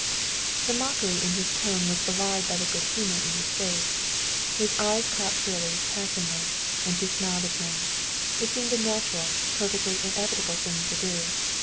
The mockery in his tone was belied by the good humor in his face; his eyes caught Shirley's passingly, and she smiled at him it seemed a natural, a perfectly inevitable thing to do.